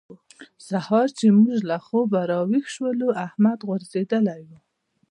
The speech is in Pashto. سهار چې موږ له خوبه راويښ شولو؛ احمد غورځېدلی وو.